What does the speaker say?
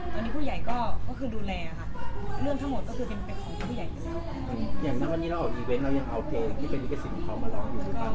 ตอนนี้ผู้ใหญ่ก็ก็คือดูแลค่ะเรื่องทั้งหมดก็คือเป็นของผู้ใหญ่อยู่แล้ว